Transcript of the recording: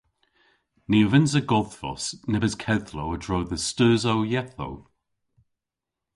Ni a vynnsa godhvos nebes kedhlow a-dro dhe steusow yethow.